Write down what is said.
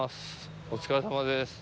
お疲れさまです。